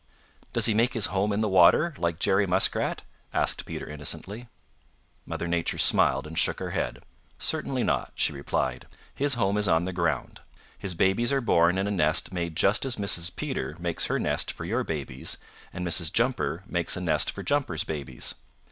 "Does he make his home in the water like Jerry Muskrat?" asked Peter innocently. Mother Nature smiled and shook her head. "Certainly not," she replied. "His home is on the ground. His babies are born in a nest made just as Mrs. Peter makes her nest for your babies, and Mrs. Jumper makes a nest for Jumper's babies.